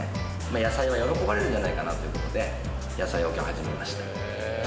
野菜は喜ばれるんじゃないかなという事で野菜を置き始めました。